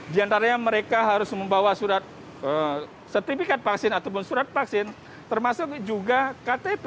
di antaranya mereka harus membawa surat sertifikat vaksin ataupun surat vaksin termasuk juga ktp